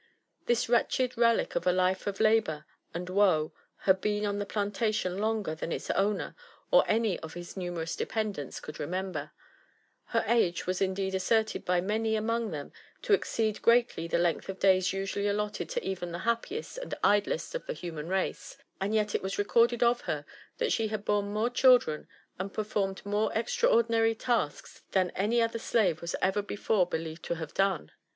This wretched relic of a life of labour and woe had been on the plantation longer than its owner or any of his numerous dependants could remember — ^her age was indeed asserted by many among them to exceed greatly the length of days usually allotted to even the happiest and idlest of the human race, and yet it was recorded of her that she had borne more children and performed more extraordinary tasks than any other slave was ever before believed to have done.